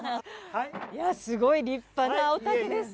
いやすごい立派なお宅ですね。